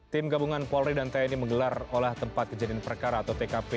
tim gabungan polri dan tni menggelar olah tempat kejadian perkara atau tkp